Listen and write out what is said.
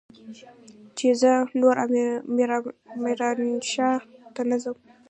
چې زه نور ميرانشاه ته نه ځم.